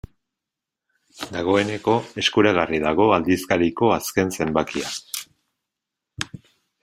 Dagoeneko eskuragarri dago aldizkariko azken zenbakia.